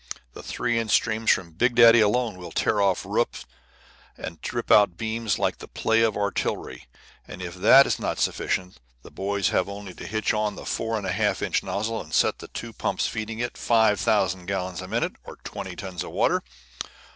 The three inch stream from Big Daddy alone will tear off roofs and rip out beams like the play of artillery; and if that is not sufficient, the boys have only to hitch on the four and a half inch nozzle and set the two pumps feeding it five thousand gallons a minute, or twenty tons of water.